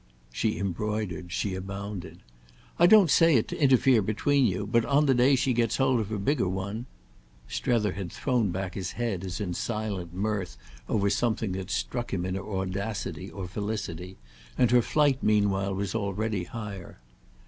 She embroidered, she abounded. "I don't say it to interfere between you, but on the day she gets hold of a bigger one—!" Strether had thrown back his head as in silent mirth over something that struck him in her audacity or felicity, and her flight meanwhile was already higher.